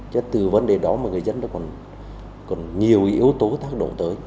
chứ từ vấn đề đó mà người dân nó còn nhiều yếu tố tác động tới